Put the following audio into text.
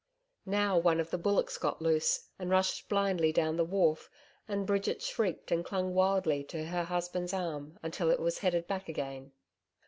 Now, one of the bullocks got loose and rushed blindly down the wharf, and Bridget shrieked and clung wildly to her husband's arm until it was headed back again.